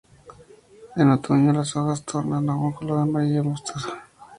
En otoño, las hojas tornan a un color amarillo mostaza.